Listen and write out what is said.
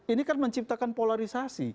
ini kan menciptakan polarisasi